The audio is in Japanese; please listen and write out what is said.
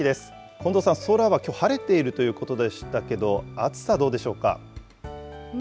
近藤さん、空はきょう、晴れているということでしたけど、暑さどうでしょうか。